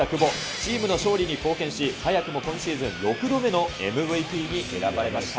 チームの勝利に貢献し、早くも今シーズン６度目のＭＶＰに選ばれました。